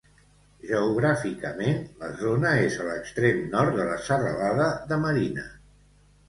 Geogràficament, la zona és a l'extrem nord de la Serralada de Marina.